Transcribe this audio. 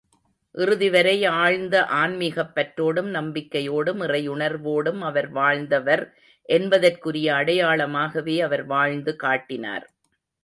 இறுதி வரை ஆழ்ந்த ஆன்மிகப் பற்றோடும், நம்பிக்கையோடும், இறையுணர்வோடும் அவர் வாழ்ந்தவர் என்பதற்குரிய அடையாளமாகவே அவர் வாழ்ந்து காட்டினார்.